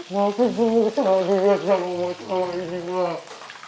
makin semua kecacatan gue sama sama ini mak